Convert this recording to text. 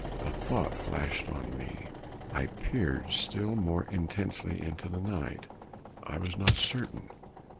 A thought flashed on me. I peered still more intensely into the night. I was not certain.